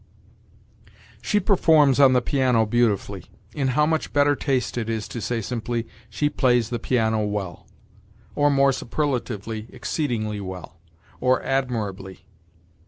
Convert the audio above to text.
"She performs on the piano beautifully." In how much better taste it is to say simply, "She plays the piano well," or, more superlatively, "exceedingly well," or "admirably"!